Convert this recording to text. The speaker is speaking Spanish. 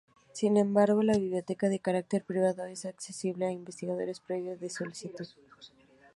Sin embargo, la biblioteca, de carácter privado, es accesible a investigadores previa solicitud.